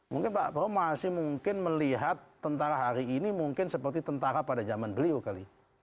mungkin pak prabowo masih mungkin melihat tentara hari ini mungkin seperti tentara pada zaman beliau kali